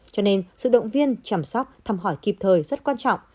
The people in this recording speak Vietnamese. cho nên sự động viên chăm sóc thăm hỏi kịp thời rất quan trọng